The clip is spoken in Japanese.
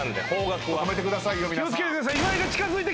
気を付けてください。